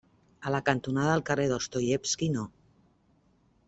A la cantonada del carrer Dostoievski No.